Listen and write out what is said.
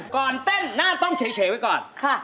ก่อนเต้นหน้าต้องเฉยไว้ก่อน